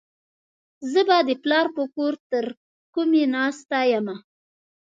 زه به د پلار په کور ترکمي ناسته يمه.